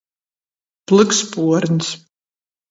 Plykspuorņs.